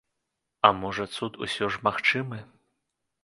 А можа, цуд усё ж магчымы?